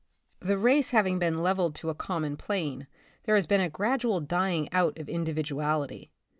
The race hav ing been leveled to a common plane, there has been a gradual dying out of individuality.